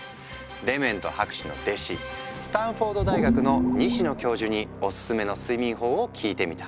デメント博士の弟子スタンフォード大学の西野教授におすすめの睡眠法を聞いてみた。